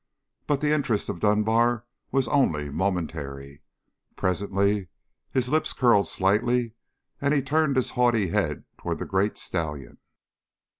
But the interest of Dunbar was only monetary. Presently his lip curled slightly, and he turned his haughty head toward the great stallion.